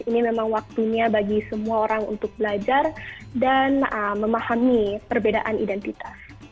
ini memang waktunya bagi semua orang untuk belajar dan memahami perbedaan identitas